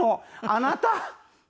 あなた！」